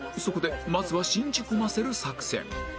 そこでまずは信じ込ませる作戦